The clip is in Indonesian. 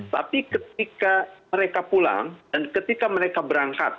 tapi ketika mereka pulang dan ketika mereka berangkat